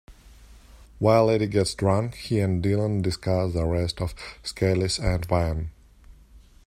While Eddie gets drunk, he and Dillon discuss the arrest of Scalise and Van.